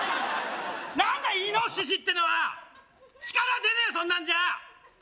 何だイノッシシってのは力出ねえそんなんじゃ